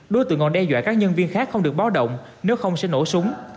đối tượng còn đe dọa các nhân viên khác không được báo động nếu không sẽ nổ súng